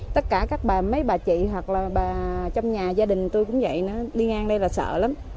tất cả các bà mấy bà chị hoặc là bà trong nhà gia đình tôi cũng vậy nó đi ngang đây là sợ lắm